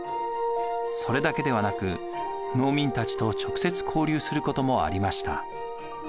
それだけではなく農民たちと直接交流することもありました。